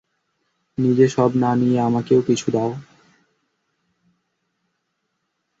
নিজে সব না নিয়ে আমাকেও কিছু দাও।